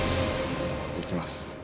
いきます。